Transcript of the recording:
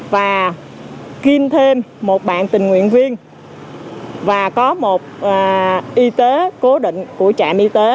và kim thêm một bạn tình nguyện viên và có một y tế cố định của trạm y tế